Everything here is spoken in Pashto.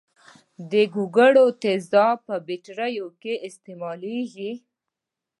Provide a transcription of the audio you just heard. د ګوګړو تیزاب په بټریو کې استعمالیږي.